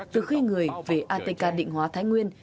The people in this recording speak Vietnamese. từ khi người về atk định hóa thái nguyên